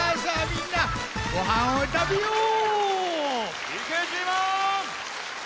みんなごはんをたべよう！